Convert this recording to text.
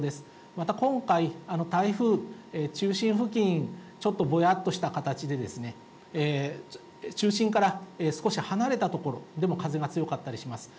また今回、台風、中心付近、ちょっとぼやっとした形で、中心から少し離れた所でも風が強かったりします。